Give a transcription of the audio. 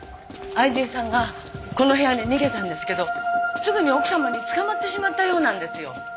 愛人さんがこの部屋に逃げたんですけどすぐに奥様に捕まってしまったようなんですよ。